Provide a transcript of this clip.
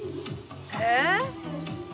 えっ！